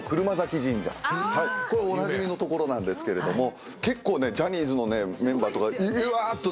これおなじみのところなんですけれども結構ねジャニーズのメンバーとかうわっと並んでる。